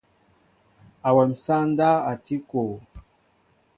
Awém sááŋ ndáw a tí kɔɔ.